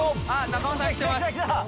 ・仲間さんきてます。